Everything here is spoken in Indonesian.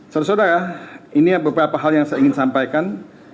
saudara saudara ini beberapa hal yang saya ingin sampaikan